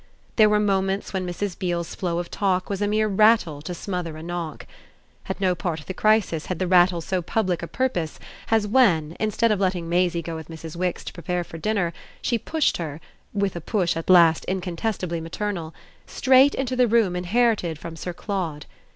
There were moments when Mrs. Beale's flow of talk was a mere rattle to smother a knock. At no part of the crisis had the rattle so public a purpose as when, instead of letting Maisie go with Mrs. Wix to prepare for dinner, she pushed her with a push at last incontestably maternal straight into the room inherited from Sir Claude.